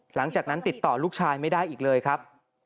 หลังจากนั้นติดต่อลูกชายไม่ได้อีกเลยครับ